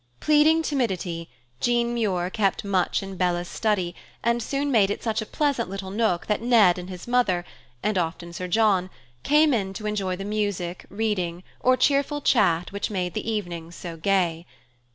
Pleading timidity, Jean Muir kept much in Bella's study and soon made it such a pleasant little nook that Ned and his mother, and often Sir John, came in to enjoy the music, reading, or cheerful chat which made the evenings so gay.